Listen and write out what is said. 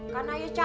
karena ayah capek